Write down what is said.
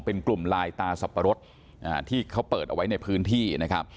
เป็นกลุ่มลายตาสับปะรดที่เขาเปิดเอาไว้ในพื้นที่นะครับ